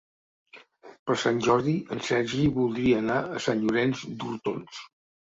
Per Sant Jordi en Sergi voldria anar a Sant Llorenç d'Hortons.